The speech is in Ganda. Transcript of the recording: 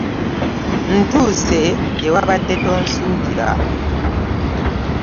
Ntuuse gye wabadde tonsuubira.